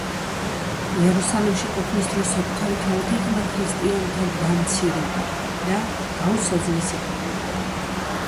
იერუსალიმში ყოფნის დროს საკუთარი თვალით იხილა ქრისტიანთა დამცირება და გაუსაძლისი ყოფა.